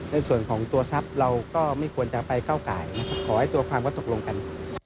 ในส่วนของตัวทรัพย์เราก็ไม่ควรจะไปก้าวไก่นะครับขอให้ตัวความก็ตกลงกัน